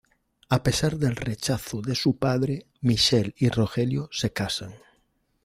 A pesar del rechazo de su padre, Michele y Rogelio se casan.